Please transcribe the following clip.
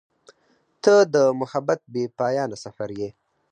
• ته د محبت بېپایانه سفر یې.